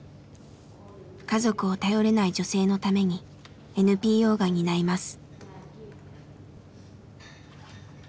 家族を頼れない女性のためにＮＰＯが担います。